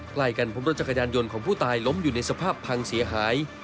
ใกล้กันพบรถจักรยานยนต์ของผู้ตายล้มอยู่ในสภาพพังเสียหาย